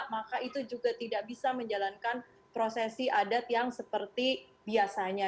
maka itu juga tidak bisa menjalankan prosesi adat yang seperti biasanya